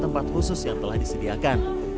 tempat khusus yang telah disediakan